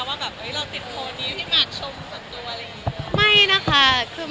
ว่าเราติดโทรติดเข้ามาชมตัวอะไรอย่างนี้